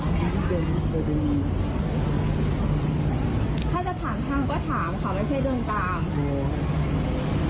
ถ้าจะถามทางก็ถามถามแล้วใช่เดินตาม